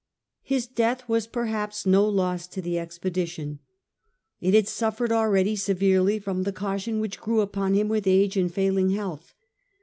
His death was perhaps no loss to the expedition. It had suffered already severely from the caution which grew upon him with age and failing health.